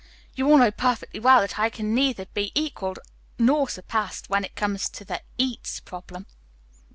You all know perfectly well that I can neither be equalled nor surpassed when it comes to the 'eats' problem.